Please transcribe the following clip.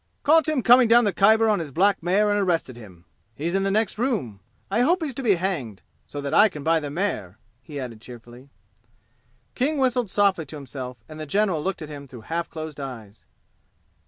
"Caught him coming down the Khyber on his black mare and arrested him. He's in the next room! I hope he's to be hanged. So that I can buy the mare," he added cheerfully. King whistled softly to himself, and the general looked at him through half closed eyes.